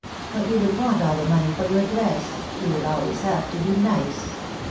But you would want all the money for your dress : you would have to be always nice.